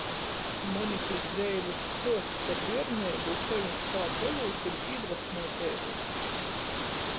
Monikys Zeilis stuosts par bierneibu i sovim spāka olūtim īdvasmoj dzeivuot.